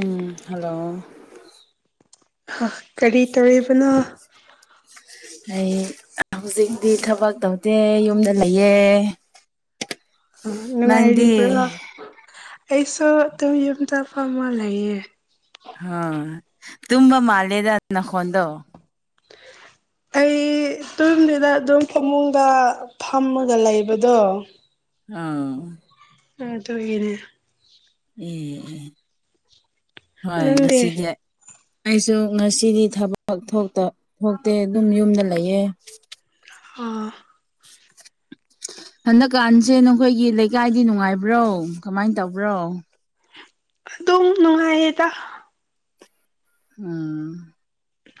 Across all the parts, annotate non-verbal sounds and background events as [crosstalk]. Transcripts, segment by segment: ꯎꯝ hello ꯀꯔꯤ ꯇꯧꯔꯤꯕꯅꯣ ꯑꯩ ꯍꯧꯖꯤꯛꯇꯤ ꯊꯕꯛ ꯇꯧꯗꯦ ꯌꯨꯝꯗ ꯂꯩꯌꯦ ꯅꯨꯡꯉꯥꯏꯔꯤꯕ꯭ꯔꯣ ꯅꯪꯗꯤ ꯑꯩꯁꯨ ꯑꯗꯨꯝ ꯌꯨꯝꯗ ꯐꯝꯃ ꯂꯩꯌꯦ ꯑ ꯇꯨꯝꯕ ꯃꯥꯜꯂꯦꯗ ꯅꯈꫭꯟꯗꫭ ꯑꯩ ꯇꯣꯝꯗꯦꯗ ꯑꯗꯨꯝ ꯐꯃꯨꯡꯗ ꯐꯝꯃꯒ ꯂꯩꯕꯗꯣ ꯑꯥ ꯑꯗꯨꯒꯤꯅꯦ ꯑꯦ ꯑꯦ ꯍꯣꯏ ꯅꯪꯗꯤ ꯉꯁꯤꯗꯤ ꯑꯩꯁꯨ ꯉꯁꯤꯗꯤ ꯊꯕꯛ ꯊꫭꯛꯇ ꯊꯣꯛꯇꯦ ꯑꯗꯨꯝ ꯌꯨꯝꯗ ꯂꯩꯌꯦ ꯑꯥ ꯍꯟꯗꯛꯀꯥꯟꯁꯦ ꯅꯈꯣꯏꯒꯤ ꯂꯩꯀꯥꯏꯗꯤ ꯅꯨꯡꯉꯥꯏꯕ꯭ꯔꯣ ꯀꯃꯥꯏ ꯇꯧꯕ꯭ꯔꯣ ꯑꯗꯨꯝ ꯅꯨꯡꯉꯥꯏꯌꯦꯗ ꯎꯝ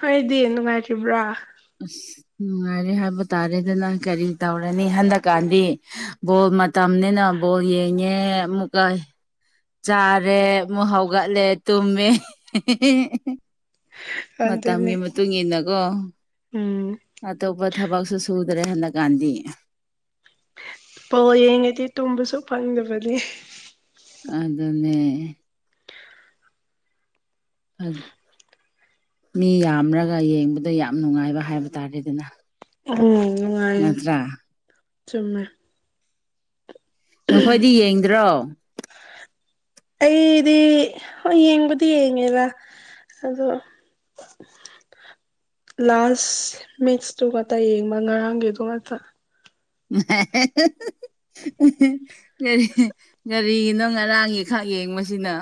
ꯅꫭꯏꯗꯤ ꯅꯨꯡꯉꯥꯏꯔꯤꯕ꯭ꯔꯥ ꯑꯁ ꯅꯨꯡꯉꯥꯏꯔꯦ ꯍꯥꯏꯕ ꯇꯥꯔꯦꯗꯅ ꯀꯔꯤ ꯇꯧꯔꯅꯤ ꯍꯟꯗꯛꯀꯥꯟꯗꯤ ꯕꫭꯜ ꯃꯠ ꯇꯝꯅꯤꯅ ꯕꯣꯜ ꯌꯦꯡꯉꯦ ꯑꯃꯨꯛꯀꯥꯏ ꯆꯥꯔꯦ ꯑꯃꯨꯛ ꯍꯧꯒꯠꯂꯦ ꯇꯨꯝꯃꯦ ꯃꯇꯝꯒꯤ ꯑꯗꯨꯅꯦ ꯃꯇꯨꯡ ꯏꯟꯅꯀꯣ ꯎꯝ ꯑꯇꯣꯞꯄ ꯊꯕꯛꯁꯨ ꯁꯨꯗ꯭ꯔꯦ ꯍꯟꯗꯛꯀꯥꯟꯗꯤ ꯄ ꯌꯦꯡꯉꯗꯤ ꯇꯨꯝꯕꯁꯨ ꯐꯪꯗꯕꯅꯤ ꯑꯗꯨ ꯑꯗꯨꯅꯅꯦ ꯃꯤ ꯌꯥꯝꯔꯒ ꯌꯦꯡꯕꯗꯣ ꯌꯥꯝ ꯅꯨꯡꯉꯥꯏꯕ ꯍꯥꯏꯕ ꯇꯥꯔꯦꯗꯅ ꯎꯝ ꯅꯨꯡꯉꯥꯏꯌꯦ ꯅꯠꯇ꯭ꯔꯥ ꯆꯨꯝꯃꯦ ꯅꯈꯣꯏꯗꯤ ꯌꯦꯡꯗ꯭ꯔꯣ ꯑꯩꯗꯤ ꯍ ꯌꯦꯡꯕꯨꯗꯤ ꯌꯦꯡꯉꯦꯕ ꯑꯗꯣ ꯂꯥꯁ ꯃꯤꯠꯁꯇꯨ ꯉꯥꯛꯇ ꯌꯦꯡꯕ ꯉꯔꯥꯡꯒꯤꯗꯨ ꯉꯥꯛꯇ ꯃ ꯀꯔꯤ ꯀꯒꯥꯔꯤꯒꯤꯅꯣ ꯉꯔꯥꯡꯒꯤ ꯈꯛ ꯌꯦꯡꯕꯁꯤꯅ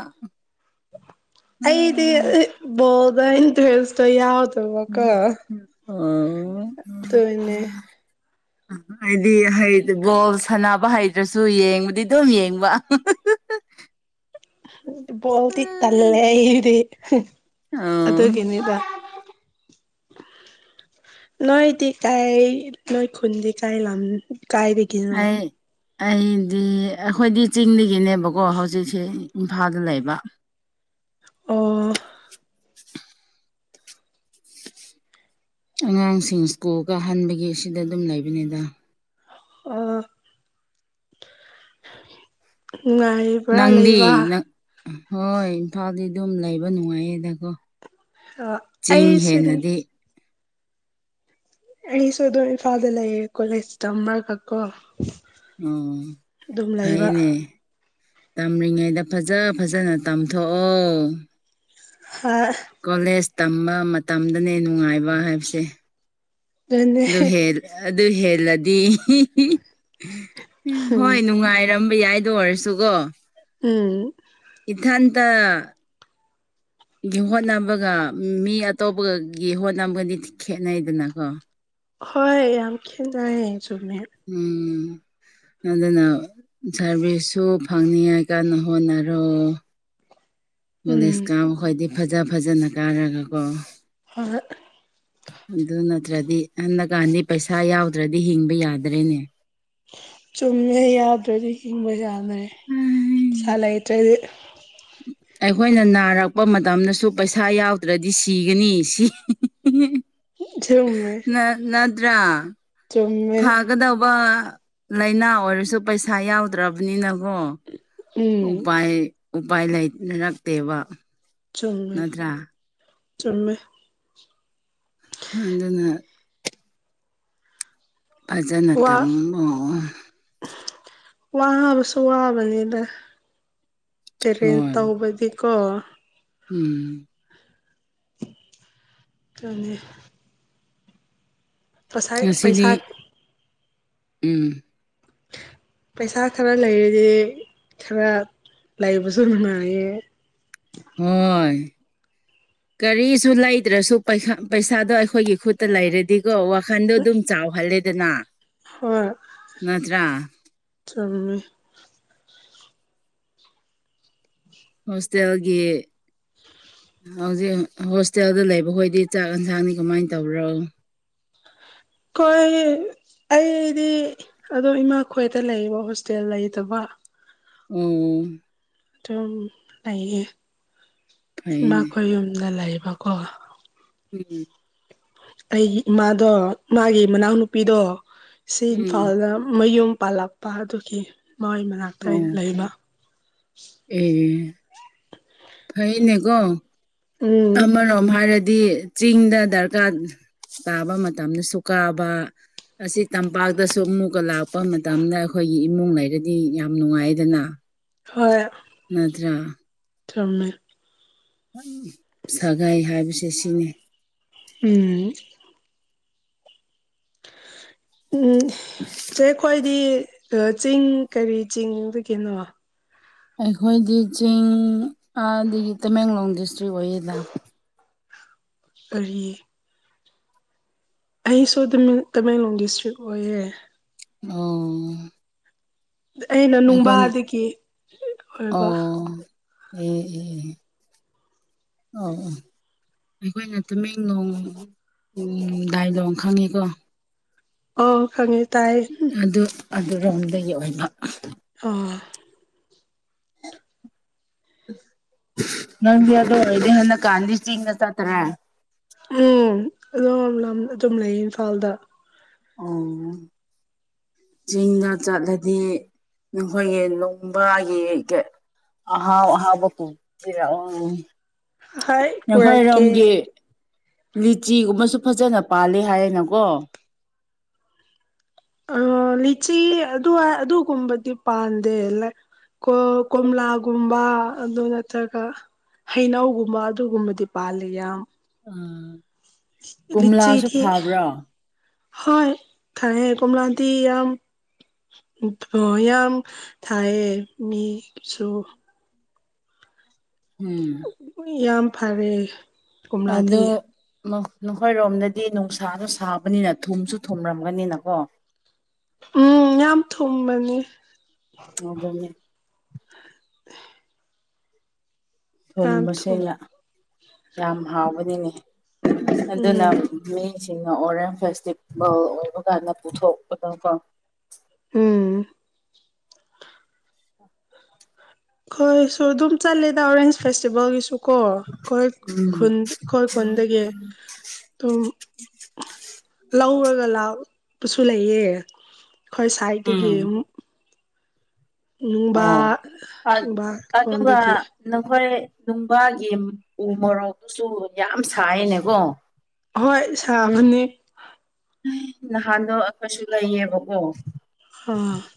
ꯑꯩꯗꯤ ꯣꯗ ꯏꯟꯇꯦꯁ ꯌꯥꯎꯗ ꯃꯈꯀ ꯑꯣ ꯇꯅꯦ ꯍꯥꯏꯗꯤ ꯕꯣꯜ ꯁꯥꯟꯅꯕ ꯍꯩꯗ꯭ꯔꯁꯨ ꯌꯦꯡꯕꯗꯤ ꯑꯗꯨꯝ ꯌꯦꯡꯕ ꯕꯣꯜꯗꯤꯤ ꯇꯜꯂꯦ ꯑꯩꯗꯤ ꯑꯣ ꯑꯗꯨꯒꯤꯅꯤ ꯗ ꯅꯣꯏꯗꯤ ꯀꯥꯏ ꯅꯣꯏ ꯈꯨꯗꯤ ꯀꯥꯏ ꯂꯝ ꯀꯥꯏ ꯍꯥꯏ ꯑꯩꯗꯤ ꯑꯩꯈꯣꯏꯗꯤ ꯆꯤꯡꯗꯒꯤꯅꯦꯕꯀꯣ ꯍꯧꯖꯤꯛꯁꯦ ꯏꯝꯐꯥꯜꯗ ꯂꯩꯕ ꯑꯣ ꯑꯉꯥꯡꯁꯤꯡ ꯁ꯭ꯀꯨꯜꯒ ꯍꯟꯕꯒꯤ ꯑꯁꯤꯗ ꯑꯗꯨꯝ ꯂꯩꯕꯅꯤꯗ ꯑ ꯅꯨꯡꯉꯥꯏ ꯅꯪꯗꯤꯪ ꯍꯣꯏ ꯏꯝꯐꯥꯜꯗꯤ ꯑꯗꯨꯝ ꯂꯩꯕ ꯅꯨꯡꯉꯥꯏꯌꯦꯗꯀꯣ ꯆꯤꯡ ꯑꯩꯁꯨꯅꯤ ꯍꯦꯟꯅꯗꯤ ꯑꯩꯁꯨ ꯑꯗꯨꯝ ꯏꯝꯐꯥꯜꯗ ꯂꯩꯌꯦ ꯀꯣꯂꯦꯖ ꯇ ꯑꯃꯔ ꯈꯛꯀꯣ ꯑꯣ ꯐꯥꯏꯅꯦ ꯇꯝꯔꯤꯉꯩꯗ ꯐꯖ ꯐꯖꯅ ꯇꯥꯝꯊꯣꯛꯑꯣ ꯍꯥ ꯀꯣꯂꯦꯖ ꯇꯝꯕ ꯃꯇꯝꯗꯅꯦ ꯅꯨꯡꯉꯥꯏꯕ ꯍꯥꯏꯕꯁꯦ ꯑꯗꯨꯅꯦ ꯑꯗꯨ ꯑꯗꯨ ꯍꯦꯜꯂꯗꯤ ꯎꯝ ꯍꯣꯏ ꯅꯨꯡꯉꯥꯏꯔꯝ ꯌꯥꯏꯗꯣ ꯑꯣꯏꯔꯁꯨꯒꯣ ꯎꯝ ꯏꯊꯇ ꯒꯤ ꯍꯣꯠꯅꯕꯒ ꯃꯤ ꯑꯇꯣꯞꯄꯒꯒꯤ ꯍꯣꯠꯅꯕꯒꯗꯤ ꯈꯦꯠꯅꯩꯗꯅꯀꯣ ꯍꯣꯏ ꯌꯥꯝ ꯈꯦꯅꯩꯦ ꯆꯨꯝꯃꯦ ꯎꯝ ꯑꯗꯨꯅ ꯁꯥꯔꯚꯤꯁꯁꯨ ꯐꯪꯅꯤꯉ ꯀꯟꯅ ꯍꯣꯠꯅꯔꯣ ꯅꯣꯂꯦꯖ ꯎꯝ ꯀꯥ ꯈꯣꯏꯗꯤ ꯐꯖ ꯐꯖꯅ ꯀꯥꯔꯒꯀꯣ ꯍ ꯑꯗꯨ ꯅꯠꯇ꯭ꯔꯗꯤ ꯍꯗꯀꯥꯟꯗꯤ ꯄꯩꯁꯥ ꯌꯥꯎꯗ꯭ꯔꯗꯤ ꯍꯤꯡꯕ ꯌꯥꯗ꯭ꯔꯦꯅꯦ ꯆꯨꯝꯃꯦ ꯌꯥꯗ꯭ꯔꯗꯤ ꯍꯤꯡꯕ ꯌꯥꯗ꯭ꯔꯦ ꯄꯩꯥ ꯂꯩꯇ꯭ꯔꯗꯤ ꯑꯩꯈꯣꯏꯅ ꯅꯥꯔꯛꯄ ꯃꯇꯝꯗꯁꯨ ꯄꯩꯁꯥ ꯌꯥꯎꯗ꯭ꯔꯗꯤ ꯁꯤꯒꯅꯤ ꯁꯤ ꯏ ꯔꯝꯃꯦ ꯅꯗ꯭ꯔꯥ ꯐꯒꯗꯧꯕ ꯂꯥꯏꯅꯥ ꯑꯣꯏꯔꯁꯨ ꯄꯩꯁꯥ ꯌꯥꯎꯗ꯭ꯔꯕꯅꯤꯅꯀꯣ ꯎꯝ ꯎꯄꯥꯏ ꯎꯄꯥꯏ ꯂꯩꯅꯔꯛꯇꯦꯕ ꯆꯨꯝꯃꯦ ꯆꯨꯝꯃꯦ [inaudible] ꯐꯖꯅ ꯋꯥ ꯇꯝꯃꯣ ꯋꯥꯕꯁꯨ ꯋꯥꯕꯅꯤꯗ ꯄꯦꯔꯦꯟ ꯍꯣꯏ ꯇꯧꯕꯗꯤꯀꯣ ꯎꯝ ꯈꯪꯉꯦ ꯄꯁꯥꯏ ꯉꯁꯤꯗꯤ ꯄꯩꯁꯥ ꯎꯝ ꯄꯩꯁꯥ ꯈꯔ ꯂꯩꯔꯗꯤ ꯈꯔ ꯂꯩꯕꯁꯨ ꯅꯨꯡꯉꯥꯏꯌꯦ ꯍꯣꯏ ꯀꯒꯥꯔꯤꯁꯨ ꯂꯩꯗ꯭ꯔꯁꯨ ꯄꯩꯁꯥꯗꯣ ꯑꯩꯈꯣꯏꯒꯤ ꯈꯨꯠꯇ ꯂꯩꯔꯗꯤ ꯀꯣ ꯋꯥꯈꯟꯗꯣ ꯑꯗꯨꯝ ꯆꯥꯎꯍꯜꯂꯦꯗꯅ ꯍꯣꯏ ꯅꯠꯇ꯭ꯔ ꯆꯨꯝꯃꯦ ꯍꯣꯁꯇꯦꯜꯒꯤ ꯍꯧꯖꯤꯛ ꯍꯣꯁꯇꯦꯜꯗ ꯂꯩꯕꯈꯣꯏꯗꯤ ꯆꯥꯛ ꯌꯦꯟꯁꯥꯡꯗꯤ ꯀꯃꯥꯏꯅ ꯇꯧꯕꯔꯣ ꯀꯩ ꯑꯩꯗꯤ ꯑꯗꯣ ꯏꯃꯥ ꯈꯣꯏꯗ ꯂꯩꯕ ꯍꯣꯁꯇꯦꯜ ꯂꯩꯇꯕ ꯎꯝ ꯑꯗꯨꯝ ꯂꯩꯌꯦ ꯏꯃꯥ ꯐꯩꯅꯦ ꯈꯣꯏ ꯌꯨꯝꯗ ꯂꯩꯕꯀꯣ ꯎꯝ ꯑꯩꯒꯤ ꯏꯃꯥꯗꯣ ꯃꯥꯒꯤ ꯃꯅꯥꯎꯅꯨꯄꯤꯗꯣ ꯁꯤ ꯎꯝ ꯏꯝꯐꯥꯜꯗ ꯃꯌꯨꯝ ꯄꯥꯜꯂꯛꯄ ꯑꯗꯨꯒꯤ ꯃꯥꯏ ꯃꯅꯥꯛꯇ ꯑꯩꯅ ꯂꯩꯕ ꯎꯝ ꯐꯩꯅꯦꯀꯣ ꯎꯝ ꯑꯃꯔꯣꯝ ꯍꯥꯏꯔꯗꯤ ꯆꯤꯡꯗ ꯗꯔꯀꯥꯔ ꯇꯥꯕ ꯃꯇꯝꯗꯁꯨ ꯀꯥꯕ ꯑꯁꯤ ꯇꯝꯄꯥꯛꯇꯁꯨ ꯑꯃꯨꯛꯀ ꯂꯥꯛꯄ ꯃꯇꯝꯗ ꯑꯩꯈꯣꯏꯒꯤ ꯏꯃꯨꯡ ꯂꯩꯔꯗꯤ ꯌꯥꯝ ꯅꯨꯡꯉꯥꯏꯗꯅ ꯍꯣꯏ ꯅꯠꯇ꯭ꯔꯥ ꯊꯔꯝꯃꯦ ꯁꯥꯒꯥꯏ ꯍꯥꯏꯕꯁꯦ ꯁꯤꯅꯤ ꯎꯝ ꯎꯝ ꯆꯦ ꯈ꯭ꯋꯣꯏꯗꯤ ꯆꯤꯡ ꯀꯔꯤ ꯆꯤꯡꯗꯒꯤꯅꯣ ꯑꯩꯈꯣꯏꯗꯤ ꯆꯤꯡ ꯑꯗꯒꯤ ꯇꯃꯦꯡꯂꯣꯡ ꯗꯤꯁꯇ꯭ꯔꯤꯛ ꯑꯣꯏꯌꯦꯗ ꯀꯔꯤ ꯑꯩꯁꯨ ꯇꯃꯦꯡꯂꯣꯡ ꯗꯤꯁꯇ꯭ꯔꯤꯛ ꯑꯣꯏꯌꯦ ꯑꯣ ꯑꯩꯅ ꯑꯩꯈꯣꯏ ꯅꯨꯡꯕꯥꯗꯒꯤ ꯑꯣꯏꯕ ꯑꯣ ꯑꯦ ꯑꯦ ꯑꯣ ꯑꯣ ꯑꯩꯈꯣꯏꯅ ꯇꯨꯃꯦꯡꯂꯣꯡ ꯗꯥꯏꯂꯣꯡ ꯈꯪꯉꯤꯀꯣ ꯑꯣ ꯈꯪꯉꯦ ꯇꯥꯏ ꯑꯗꯨ ꯑꯗꯨꯔꯣꯝꯗꯒꯤ ꯑꯣꯏꯕ ꯑꯥ ꯅꯪꯗꯤ ꯑꯗꯣ ꯑꯣꯏꯗꯤ ꯍꯟꯗꯛ ꯀꯥꯟꯗꯁꯤ ꯏꯁ ꯇ꯭ꯔ ꯎꯝ ꯑꯗꯨꯝ ꯑꯗꯨꯝ ꯂꯩꯌꯦ ꯏꯝꯐꯥꯜꯗ ꯑꯣ ꯆꯤꯡꯗ ꯆꯠꯂꯗꯤ ꯅꯈꯣꯏꯒꯤ ꯅꯣꯡꯕꯥꯒꯤ ꯑꯥ ꯍꯥꯎ ꯍꯥꯎꯕ ꯄꯨꯕꯤꯔꯛ ꯑꯣ ꯍꯣꯏ ꯄꯨꯔꯛꯀꯦ ꯌꯥꯈꯣꯏꯔꯝꯒꯤ ꯂꯤꯆꯤꯒꯨꯝꯕꯁꯨ ꯐꯖꯅ ꯄꯥꯜꯂꯤ ꯍꯥꯏꯔꯅꯀꯣ ꯑ ꯂꯤꯆꯤ ꯑꯗꯨꯋꯥꯏ ꯑꯗꯨꯒꯨꯝꯕꯗꯤ ꯄꯥꯟꯗꯦ ꯂꯥꯏ ꯀꫭ ꯀꯣꯝꯂꯥꯒꯨꯝꯕ ꯑꯗꯨ ꯅꯠꯇ꯭ꯔꯒ ꯍꯩꯅꯧꯒꯨꯝꯕ ꯑꯗꯨꯒꯨꯝꯕꯗꯤ ꯄꯥꯜꯂꯤ ꯌꯥꯝ꯫ ꯎ ꯀꯣꯝꯂꯥꯁꯨ ꯂꯤꯆꯤꯗꯤ ꯊꯥꯕ꯭ꯔꯣ꯫ ꯍꯣꯏ ꯊꯥꯌꯦ ꯀꯣꯝꯂꯗꯤ ꯌꯥꯝ꯫ [inaudible] ꯌꯥꯝ ꯊꯥꯏꯌꯦ ꯃꯤꯒꯤꯁꯨ꯫ ꯎꯝ꯫ ꯎꯏ ꯌꯥꯝ ꯐꯔꯦ꯫ ꯑꯗꯣ ꯀꯣꯝꯂꯥꯗꯤ ꯅ ꯅꯈꯣꯏꯔꯣꯝꯗꯗꯤ ꯅꯨꯡꯁꯥꯗꫭ ꯁꯥꯕꯅꯤꯅ ꯊꯨꯝꯁꯨ ꯊꯨꯝꯔꯝꯒꯅꯤꯅꯀꯣ꯫ ꯎꯝ ꯌꯥꯝ ꯊꯨꯝꯕꯅꯤ꯫ ꯑꯗꯨꯅꯤ꯫ ꯌꯥꯝ ꯊꯨꯝꯕꯁꯦ ꯊꯨꯝ ꯌꯥꯝ ꯍꯥꯎꯕꯅꯤꯅꯦ ꯑꯗꯨꯅ ꯎꯝ ꯃꯤꯁꯤꯡꯅ ꯑꯣꯔꯦꯟꯁ ꯐꯦꯁꯇꯤꯚꯦꯜ ꯑꯣꯏꯕ ꯀꯥꯟꯗ ꯄꯨꯊꯣꯛꯄꯗꫭꯀꫭ꯫ ꯎꯝ꯫ ꯈꫭꯏꯁꯨ ꯑꯗꯨꯝ ꯆꯠꯂꯦꯗ ꯑꯣꯔꯦꯟꯖ ꯐꯦꯁꯇꯤꯚꯦꯜꯒꯤꯁꯨ ꯀꯣ ꯈꫭꯏ꯫ ꯎꯝ ꯈꯨꯟ ꯈꫭꯏ ꯈꯨꯟꯗꯒꯤ ꯑꯗꯨꯝ ꯂꯧꯔꯒ ꯂꯥꯛꯄꯁꯨ ꯂꯩꯌꯦ꯫ ꯈꯣꯏ ꯎꯝ ꯁꯥꯏꯠꯇꯒꯤ ꯝ ꯅꯨꯡꯕꯥ ꯑꯣ ꯅꯨꯡꯕꯥ ꯑꯗꯨꯒ ꯂꯣꯟꯗꯒꯤ ꯅꯈꯣꯏ ꯅꯨꯡꯕꯥꯒꯤ ꯎ ꯃꯣꯔꯣꯛꯁꯨ ꯌꯥꯝ ꯁꯥꯏꯅꯦꯀꯣ꯫ ꯍꯣꯏ ꯁꯥꯕꯅꯤ꯫ ꯅꯍꯥꯟꯗꯣ ꯑꯩꯈꯣꯏꯁꯨ ꯂꯩꯌꯦꯕꯀꯣ꯫ ꯍꯥ꯫ [inaudible]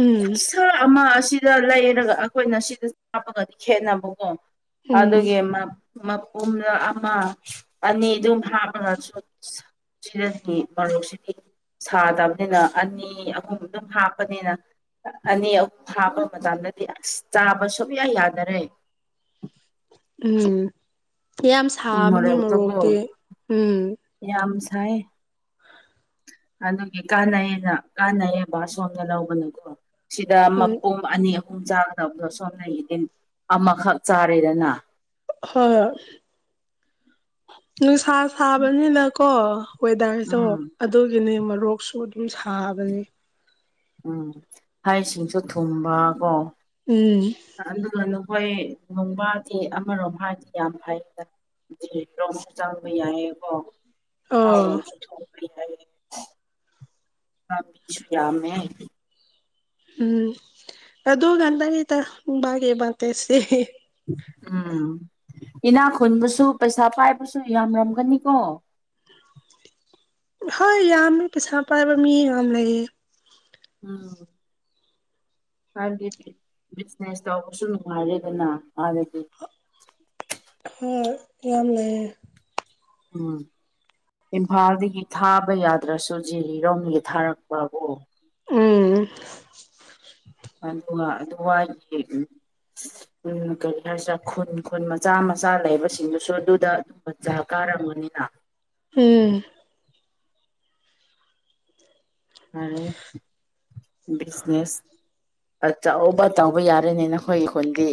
ꯎꯝ ꯑꯃ ꯑꯁꯤꯗ ꯂꯩꯔꯒ ꯑꯈꯣꯏꯅ ꯁꯤꯗ ꯆꯥꯕꯒꯗꯤ ꯈꯦꯠꯅꯕꯀꯣ꯫ ꯎꯝ ꯑꯗꯨꯒꯤ ꯃꯞ ꯃꯄꯨꯝ ꯑꯃ ꯑꯅꯤ ꯑꯗꯨꯝ ꯍꯥꯞ [inaudible] ꯁꯥꯗꯕꯅꯤꯅ ꯑꯅꯤ ꯑꯍꯨꯝ ꯑꯗꯨꯝ ꯍꯥꯞꯄꯅꯤꯅ ꯑꯅꯤ ꯑꯍꯨꯝ ꯊꯥꯕ ꯃꯇꯝꯗꯗꯤ ꯑꯁ ꯆꯥꯕ ꯁꯨꯛꯌꯥ ꯌꯥꯗꯔꯦ꯫ ꯎꯝ ꯌꯥꯝ ꯎ ꯁꯥꯕꯅꯤ ꯃꯣꯔꯣꯛꯇꯤ ꯃꯣꯔꯣꯛꯇꯣꯀꯣ ꯎꯝ꯫ ꯌꯥꯝ ꯁꯥꯌꯦ꯫ ꯑꯗꯨꯒꯤ ꯀꯥꯅꯩꯅ ꯀꯥꯅꯩꯌꯦꯕ ꯑꯁꯣꯝꯗ ꯂꯧꯕꯅꯀꯣ꯫ ꯁꯤꯗ ꯎꯝ ꯃꯄꯨꯝ ꯑꯅꯤ ꯑꯍꯨꯝ ꯆꯥꯒꯗꯕꯗꯣ ꯁꯣꯝꯗꯒꯤꯗꯤ ꯑꯃꯈꯛ ꯆꯥꯔꯦꯗꯅ꯫ ꯍꯣꯏ ꯅꯨꯡꯁꯥ ꯁꯥꯕꯅꯤꯅꯀꯣ ꯋꯦꯗꯔꯗꯣ ꯎꯝ ꯑꯗꯨꯒꯤꯅꯦ ꯃꯔꯣꯛꯁꯨ ꯑꯗꯨꯝ ꯁꯥꯕꯅꯤ꯫ ꯎꯝ ꯍꯩꯁꯤꯡꯁꯨ ꯊꯨꯝꯕꯥ ꯀꯣ꯫ ꯎꯝ꯫ ꯑꯗꯨꯒ ꯅꯈꯣꯏ ꯅꯣꯡꯕꯥꯗꯤ ꯑꯃꯔꯣꯝ ꯍꯥꯏꯔꯗꯤ ꯌꯥꯝ ꯐꯩꯗ꯫ [inaudible] ꯑꯣ ꯂꯝꯕꯤꯁꯨ ꯌꯥꯝꯃꯦ꯫ ꯎꯝ ꯑꯗꯒꯟꯇꯅꯤꯇ ꯅꯨꯡꯕꯥꯒꯤ ꯑꯦꯠꯕꯥꯟꯇꯦꯁꯗꯤ꯫ ꯎꯝ ꯏꯅꯥ ꯈꯨꯟꯕꯁꯨ ꯄꯩꯁꯥ ꯄꯥꯏꯕꯁꯨ ꯌꯥꯝꯔꯝꯒꯅꯤꯀꯣ꯫ ꯍꯣꯏ ꯌꯥꯝꯃꯦ ꯄꯩꯁꯥ ꯄꯥꯏꯕ ꯃꯤ ꯌꯥꯝ ꯂꯩꯌꯦ꯫ ꯎꯝ꯫ ꯍꯥꯏꯕꯗꯤ ꯕꯤꯖꯤꯅꯦꯁ ꯇꯧꯕꯁꯨ ꯅꯨꯡꯉꯥꯏꯔꯦꯗꯅ ꯑꯥꯗꯗꯤ꯫ ꯍꯣꯏ ꯌꯥꯝ ꯂꯩꯌꯦ꯫ ꯎꯝ꯫ ꯏꯝꯐꯥꯜꯗꯒꯤ ꯊꯥꯕ ꯌꯥꯗ꯭ꯔꯁꯨ ꯖꯤꯔꯤꯔꯣꯝꯗꯒꯤ ꯊꯥꯔꯛꯄꯕꯣ꯫ ꯎꯝ꯫ ꯑꯗꯨꯒ ꯑꯗꯨ ꯋꯥꯏꯒꯤ ꯎꯝ ꯎꯝ ꯀꯔꯤ ꯍꯥꯏꯁꯤꯔ ꯈꯨꯟ ꯈꯨꯟ ꯃꯆꯥ ꯃꯆꯥ ꯂꯩꯕꯁꯤꯡꯗꯨꯁꯨ ꯑꯗꯨꯗ ꯑꯗꯨꯝ ꯃꯖꯥ ꯀꯥꯔꯝ ꯃꯅꯤꯅ ꯎꯝ ꯍꯥꯏ ꯕꯤꯁꯅꯦꯁ ꯑꯆꯧꯕ ꯇꯧꯕ ꯌꯥꯔꯦꯅꯦ ꯅꯈ ꯈꯣꯏꯒꯤ ꯈꯨꯟꯗꯤ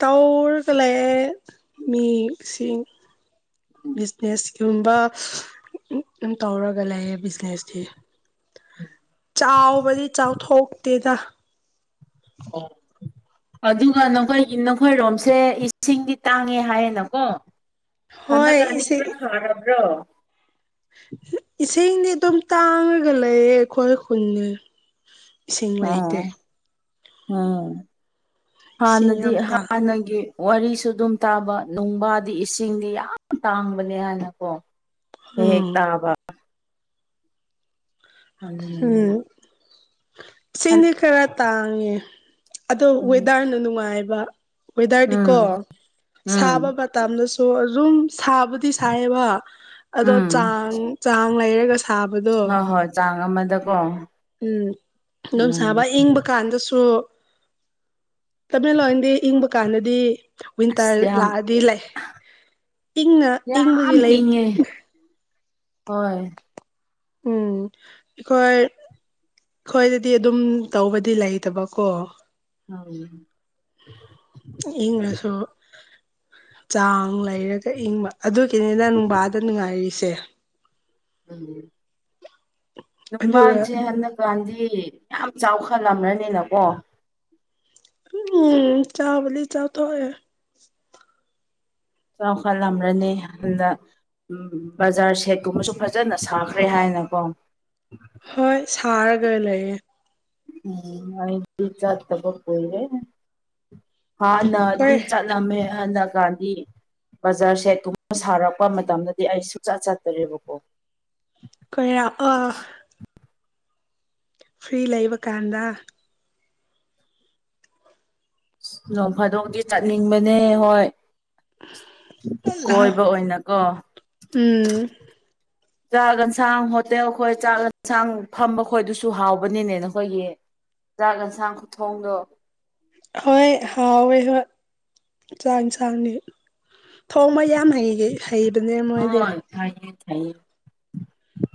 ꯇꯧꯔꯒ ꯂꯩ ꯃꯤꯁꯤꯡ ꯕꯤꯖꯅꯦꯁꯀꯤ ꯀꯨꯝꯕ ꯎꯝ ꯇꯧꯔꯒ ꯂꯩꯌꯦ ꯕꯤꯖꯅꯦꯁꯇꯤ ꯆꯥꯎꯕꯗꯤ ꯆꯥꯎꯊꯣꯛꯇꯦꯗ [inaudible] ꯑꯗꯨꯒ ꯅꯈꯣꯏꯒꯤ ꯅꯈꯣꯏꯔꯣꯝꯁꯦ ꯏꯁꯤꯡꯗꯤ ꯇꯥꯡꯉꯦ ꯍꯥꯏꯌꯦꯅꯀꯣ ꯍꯣꯏ ꯍꯟꯗꯛꯀ ꯑꯅꯤ ꯏꯁꯤꯡ ꯈꯔ ꯐꯔꯕ꯭ꯔꯣ ꯏꯁꯤꯡꯗꯤ ꯑꯗꯨꯝ ꯇꯥꯡꯉꯒ ꯂꯩꯌꯦ ꯑꯈꯣꯏ ꯈꯨꯟꯗꯤ ꯏꯁꯤꯡ ꯂꯩꯇꯦ ꯑꯣ ꯑꯣ ꯏꯁꯤꯡ ꯍꯥꯟꯅꯗꯤ ꯌꯥꯝ ꯇꯥꯡ ꯍꯥꯟꯅꯒꯤ ꯋꯥꯔꯤꯁꯨ ꯑꯗꯨꯝ ꯇꯥꯕ ꯅꯨꯡꯕꯥꯗꯤ ꯏꯁꯤꯡꯗꯤ ꯌꯥꯝ ꯇꯥꯡꯕꯅꯦ ꯍꯥꯏꯅꯀꯣ ꯍꯦꯛ ꯍꯦꯛ ꯎꯝ ꯇꯥꯕ ꯑꯗꯨꯅꯅꯤꯗ ꯁꯤꯡꯗꯤ ꯈꯔ ꯇꯥꯡꯉꯦ ꯑꯗꯣ ꯎꯝ ꯋꯦꯗꯔꯅ ꯅꯨꯡꯉꯥꯏꯕ ꯋꯦꯗꯔꯗꯤꯀꯣ ꯎꯝ ꯎꯝ ꯁꯥꯕ ꯃ ꯇꯝꯗꯁꯨ ꯑꯗꯨꯝ ꯁꯥꯕꯨꯗꯤ ꯁꯥꯏꯌꯦꯕ ꯑꯗꯣ ꯎꯝ ꯆꯥꯡ ꯆꯥꯡ ꯂꯩꯔꯒ ꯁꯥꯕꯗꯣ ꯍꯣꯏ ꯍꯣꯏ ꯆꯥꯡ ꯑꯃꯗꯀꯣ ꯎꯝ ꯗꯨꯝ ꯎꯝ ꯁꯥꯕ ꯏꯪꯕ ꯀꯥꯟꯗꯁꯨ ꯇꯃꯦꯜꯂꯣꯟꯗꯤ ꯏꯪꯕ ꯀꯥꯟꯗꯗꯤ ꯑꯁ ꯋꯤꯟꯇꯔ ꯌꯥꯝ ꯂꯥꯛꯑꯗꯤ ꯂꯩ ꯏꯪꯅ ꯏꯪꯕꯒꯤ ꯌꯥꯝ ꯂꯩ ꯏꯪꯉꯦ ꯍꯣꯏ ꯎꯝ ꯑꯩꯈꯣꯏ ꯈꯣꯏꯗꯗꯤ ꯑꯗꯨꯝ ꯇꯧꯕꯗꯤ ꯂꯩꯇꯕꯀꯣ ꯎꯝ ꯏꯪꯔꯁꯨ ꯆꯥꯡ ꯂꯩꯔꯒ ꯏꯪꯕ ꯑꯗꯨꯒꯤꯅꯤꯗ ꯅꯨꯡꯕꯥꯗ ꯅꯨꯡꯉꯥꯏꯔꯤꯁꯦ ꯎꯝ ꯑꯗꯨꯒ ꯅꯨꯡꯕꯥꯁꯦ ꯍꯟꯗꯛ ꯥꯀꯥꯟꯗꯤ ꯌꯥꯝ ꯆꯥꯎꯈꯠꯂꯝꯔꯅꯤꯅꯀꯣ ꯎꯝ ꯆꯥꯕꯂꯤ ꯆꯥꯊꯣꯛ ꯑꯦ ꯆꯥꯎꯈꯠ ꯂꯝꯔꯅꯤ ꯍꯟꯗꯛ ꯎꯝ ꯕꯖꯥꯔ ꯁꯦꯠ ꯀꯨꯝꯕꯁꯨ ꯐꯖꯅ ꯁꯥꯈ꯭ꯔꯦ ꯍꯥꯏꯅꯀꯣ ꯍꯣꯏ ꯁꯥꯔꯒ ꯂꯩꯌꯦ ꯎꯝ ꯃꯣꯏꯗꯤ ꯆꯠꯇꯕ ꯀꯨꯏꯔꯦ ꯍꯥꯟꯅꯗꯤ ꯀꯣꯏ ꯆꯠ ꯂꯝꯃꯦ ꯍꯟꯗꯛ ꯀꯥꯟꯗꯤ ꯕꯖꯥꯔ ꯁꯦꯠ ꯀꯨꯝꯕ ꯁꯥꯔꯛꯄ ꯃꯇꯝꯗꯗꯤ ꯑꯩ ꯁꯨꯡꯆꯠ ꯆꯠꯇ꯭ꯔꯦꯕꯀꯣ ꯀꯌꯥ ꯑ ꯐ꯭ꯔꯤ ꯂꯩꯕ ꯀꯥꯟꯗ ꯅꯣꯡ ꯐꯥꯗꯣꯛꯇꯤ ꯆꯠꯅꯤꯡꯕꯅꯦ ꯍꯣꯏ ꯂꯥꯛꯑꯣ ꯀꯣꯏꯕ ꯑꯣꯏꯅꯀꯣ ꯎꯝ ꯆꯥꯛ ꯑꯟꯁꯥꯡ ꯍꯣꯇꯦꯜ ꯈꯣꯏ ꯆꯥꯛ ꯑꯟꯁꯥꯡ ꯐꯝꯕ ꯈꯣꯏꯗꯨꯁꯨ ꯍꯥꯎꯕꯅꯤꯅꯦ ꯅꯈꯣꯏꯒꯤ ꯆꯥꯛ ꯑꯟꯁꯥꯡ ꯈꯨꯊꯣꯡꯗꯣ ꯍꯣꯏ ꯍꯥꯎꯑꯦ ꯍꯣꯏ ꯆꯥꯛ ꯏꯟꯁꯥꯡꯗꯤ ꯊꯣꯡꯕ ꯌꯥꯝ ꯍꯩꯌꯦ ꯍꯩꯕꯅꯦ ꯃꯣꯏꯗꯤ ꯊꯥꯏꯌꯦ ꯊꯩꯌꯦ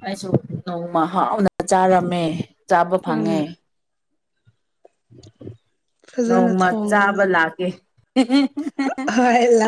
ꯑꯩꯁꯨ ꯅꯣꯡꯃ ꯍꯥꯎꯅ ꯆꯥꯔꯝꯃꯦ ꯆꯥꯕ ꯎꯝ ꯐꯪꯉꯦ ꯐꯖꯅ ꯅꯣꯡꯃ ꯊꯣꯡꯕꯅꯤ ꯆꯥꯕ ꯂꯥꯛꯀꯦ ꯍꯣꯏ